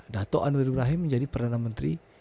dato anwar ibrahim menjadi perdana menteri